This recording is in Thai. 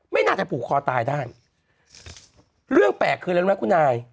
ไม่น่าจะผูกคอตายได้เรื่องแปลกคืออะไรรู้ไหมคุณนาย